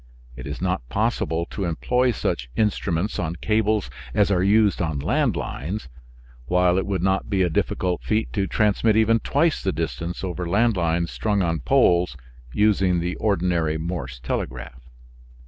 It is not possible to employ such instruments on cables as are used on land lines, while it would not be a difficult feat to transmit even twice the distance over land lines strung on poles, using the ordinary Morse telegraph.